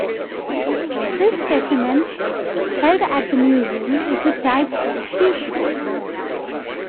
This specimen, held at the museum, is the type for the species.